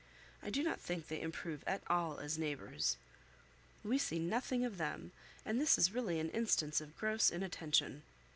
I do not think they improve at all as neighbours. We see nothing of them, and this is really an instance of gross inattention.